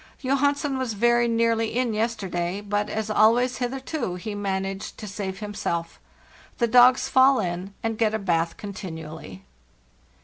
Johansen was very nearly in yesterday, but, as always hitherto, he managed to save himself. The dogs fall in and get a bath contin ually.